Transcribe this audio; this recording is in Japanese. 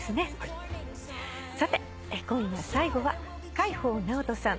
さて今夜最後は海宝直人さん